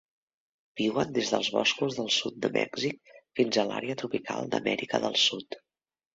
Viuen des dels boscos del sud de Mèxic fins a l'àrea tropical d'Amèrica del Sud.